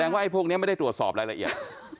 ว่าไอ้พวกนี้ไม่ได้ตรวจสอบรายละเอียด